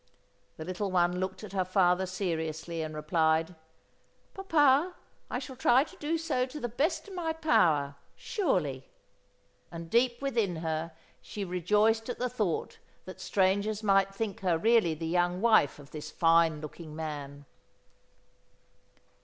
The little one looked at her father seriously and replied: "Papa, I shall try to do so to the best of my power, surely." And deep within her she rejoiced at the thought that strangers might think her really the young wife of this fine looking man.